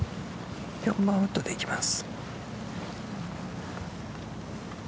６番ウッドでいきます。